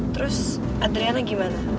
terus adriana gimana